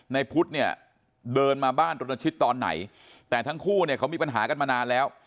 ในพุทธเนี่ยเดินมาบ้านรณชิตตอนไหนแต่ทั้งคู่เนี่ยเขามีปัญหากันมานานแล้ว